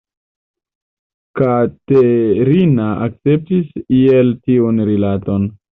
Katerina akceptis iel tiun rilaton.